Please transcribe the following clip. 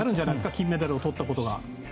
金メダルをとったことが。